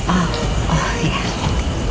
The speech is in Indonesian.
oh oh ya